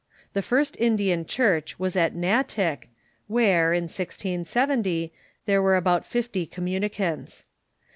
The first Indian church was at Natick, where, in 1670, there Avere about fifty communicants.